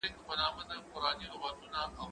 هغه وويل چي لیکل ضروري دي،